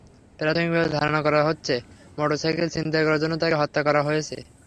প্রাথমিকভাবে ধারণা করা হচ্ছে, মোটরসাইকেল ছিনতাই করার জন্য তাঁকে হত্যা করা হয়েছে।